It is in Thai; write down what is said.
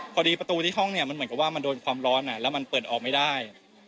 พอดีประตูห้องเหมือนกันว่ามันโดนความร้อนและมันเปิดออกไม่ได้